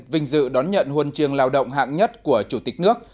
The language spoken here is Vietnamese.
vinh dự đón nhận huân trường lao động hạng nhất của chủ tịch nước